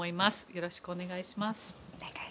よろしくお願いします。